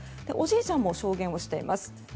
おじいちゃんも証言をしています。